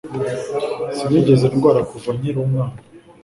Sinigeze ndwara kuva nkiri umwana.